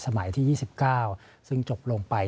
สมัยที่๒๙ซึ่งจบลงไป